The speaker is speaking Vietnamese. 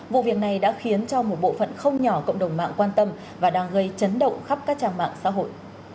vụ việc này đã khiến cho một bộ phận không nhỏ cộng đồng mạng quan tâm và đang gây chấn động khắp các trang mạng xã hội